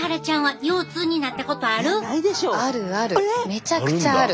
めちゃくちゃある。